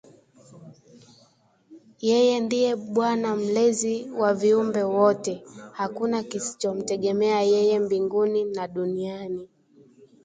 Yeye ndiye Bwana Mlezi wa viumbe wote; hakuna kisichomtegemea Yeye mbinguni na duniani